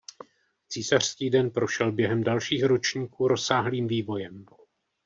Císařský den prošel během dalších ročníků rozsáhlým vývojem.